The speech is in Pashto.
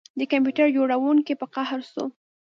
د کمپیوټر جوړونکي په قهر شو